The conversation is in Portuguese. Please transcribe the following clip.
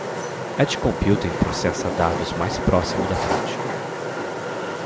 Edge Computing processa dados mais próximo da fonte.